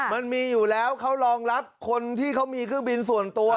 มันมีอยู่แล้วเขารองรับคนที่เขามีเครื่องบินส่วนตัว